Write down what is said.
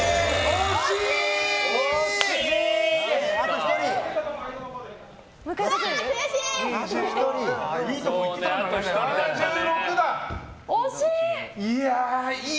惜しい！